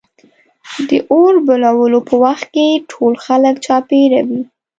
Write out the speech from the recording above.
د اور بلولو په وخت کې ټول خلک چاپېره وي.